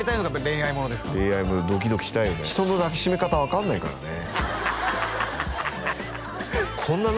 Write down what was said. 恋愛ものドキドキしたいよね人の抱き締め方分かんないからね